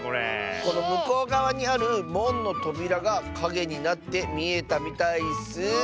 このむこうがわにあるもんのとびらがかげになってみえたみたいッス。